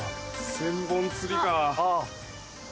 千本つりか。